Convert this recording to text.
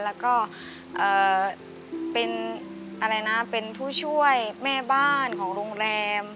แล้วก็เป็นอะไรนะเป็นผู้ช่วยแม่บ้านของโรงแรม